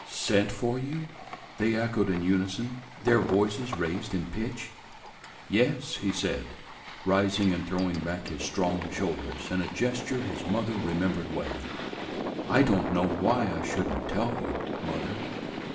"Sent for you?" they echoed in unison, their voices raised in pitch. "Yes," he said, rising and throwing back his strong shoulders in a gesture his mother remembered well. "I don't know why I should n't tell you, mother.